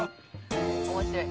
面白い。